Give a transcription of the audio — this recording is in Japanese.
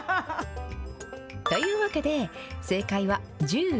というわけで、正解は１５分。